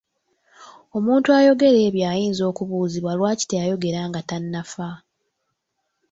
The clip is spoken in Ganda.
Omuntu ayogera ebyo ayinza okubuuzibwa lwaki teyayogera nga tannafa?